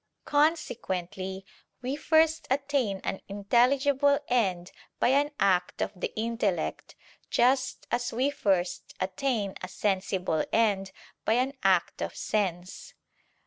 Consequently we first attain an intelligible end by an act of the intellect; just as we first attain a sensible end by an act of sense.